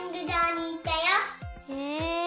へえ！